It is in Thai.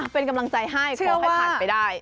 เป็นกำลังใจให้ขอให้ผ่านไปได้